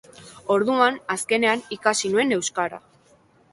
Orduan, azkenean, ikasi nuen euskara.